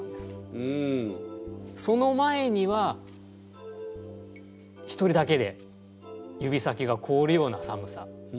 その前には一人だけで指先が凍るような寒さ。